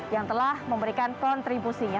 yang telah memberikan kontribusinya